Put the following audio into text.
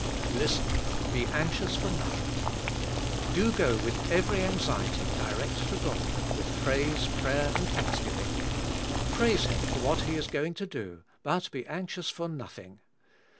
Listen, "Be anxious for noth ing*. " Do g"o with every anxiety, direct to God, with praise, prayer, and thank sg iving . Praise Him for what He is going to do, but be anxious for nothing".